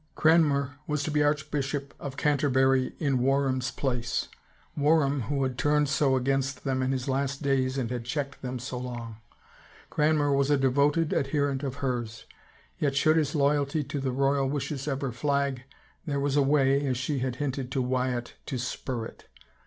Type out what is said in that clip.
Cranmer was to be Archbishop of Canterbury in War ham's place — Warham who had turned so against them in his last days and had checked them so long. Cranmer was a devoted adherent of hers, yet should his loyalty to the royal wishes ever flag, there was a way, as she had hinted to Wyatt, to spur it.